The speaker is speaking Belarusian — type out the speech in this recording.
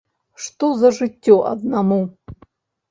Што за жыццё аднаму?